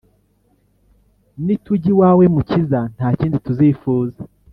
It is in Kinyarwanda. Nitujya iwawe mukiza ntakindi tuzifuza